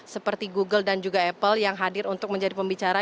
seperti google dan juga apple yang hadir untuk menjadi pembicara